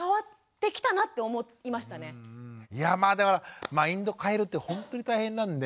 いやまあだからマインド変えるってほんとに大変なんで。